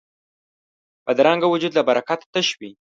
بدرنګه وجود له برکته تش وي